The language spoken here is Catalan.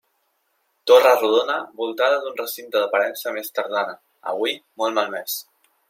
Torre rodona voltada d'un recinte d'aparença més tardana, avui molt malmès.